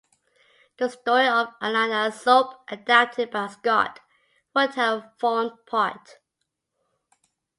The story of "Allan-a-Sop", adapted by Scott would have formed part.